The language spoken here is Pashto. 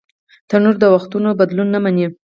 تنور د وختونو بدلون نهمني